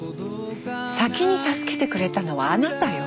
先に助けてくれたのはあなたよ。